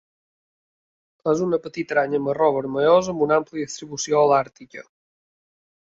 És una petita aranya marró vermellosa amb una àmplia distribució holàrtica.